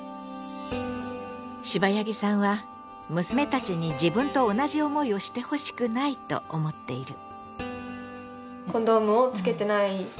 シバヤギさんは娘たちに自分と同じ思いをしてほしくないと思っている。